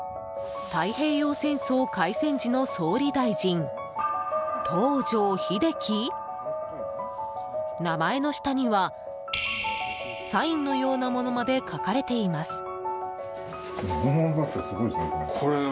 太平洋戦争開戦時の総理大臣東條英機？名前の下にはサインのようなものまで書かれています。